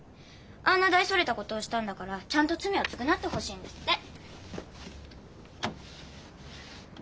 あんな大それたことをしたんだからちゃんと罪を償ってほしいんですって。